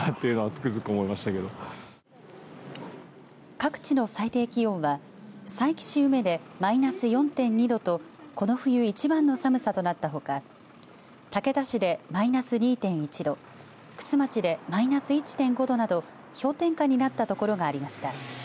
各地の最低気温は佐伯市宇目でマイナス４．２度とこの冬、一番の寒さとなったほか竹田市でマイナス２．１度玖珠町でマイナス１．５度など氷点下になった所がありました。